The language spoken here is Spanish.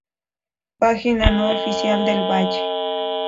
Página no oficial del Valle